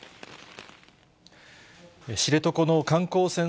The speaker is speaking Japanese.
知床の観光船